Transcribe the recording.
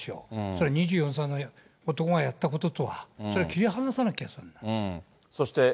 それ、２４歳の男がやったこととは、それは切り離さなきゃ。